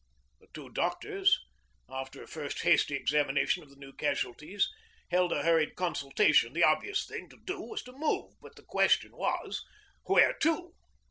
The two doctors, after a first hasty examination of the new casualties, held a hurried consultation. The obvious thing to do was to move, but the question was, Where to?